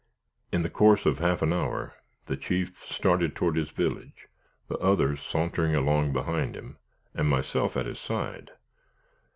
In the course of half an hour, the chief started toward his village, the others sauntering along behind him, and myself at his side.